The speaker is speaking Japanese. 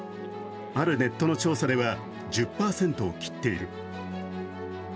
あるネットの調査では１０％を切っている。